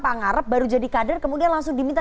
pak ngarep baru jadi kader kemudian langsung diminta